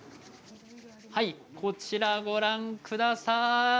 こちら、ご覧ください。